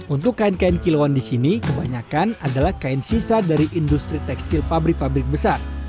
untuk kain kain kiloan di sini kebanyakan adalah kain sisa dari industri tekstil pabrik pabrik besar